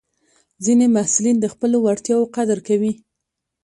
ځینې محصلین د خپلو وړتیاوو قدر کوي.